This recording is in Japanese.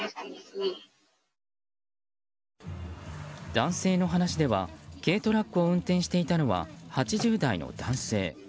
男性の話では軽トラックを運転していたのは８０代の男性。